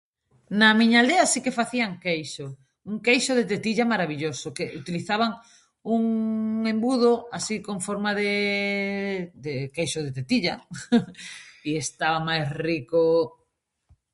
Na miña aldea si que facían queixo. Un queixo de tetilla maravilloso que utilizaban un embudo así con forma de de queixo de tetilla i está máis rico.